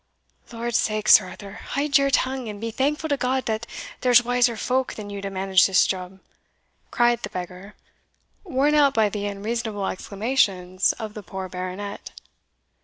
"Lordsake, Sir Arthur, haud your tongue, and be thankful to God that there's wiser folk than you to manage this job," cried the beggar, worn out by the unreasonable exclamations of the poor Baronet.